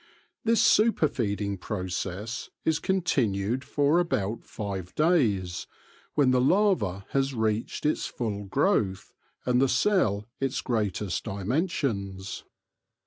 This superfeeding process is con tinued for about five days, when the larva has reached its full growth and the cell its greatest dimensions.